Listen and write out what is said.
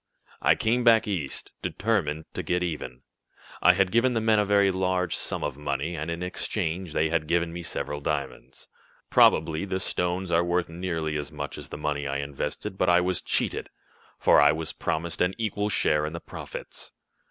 "I came back East, determined to get even. I had given the men a very large sum of money, and, in exchange, they had given me several diamonds. Probably the stones are worth nearly as much as the money I invested, but I was cheated, for I was promised an equal share in the profits.